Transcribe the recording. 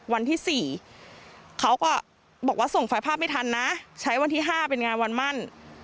วันที่๔เขาก็บอกว่าส่งไฟล์ภาพไม่ทันนะใช้วันที่๕เป็นงานวันมั่น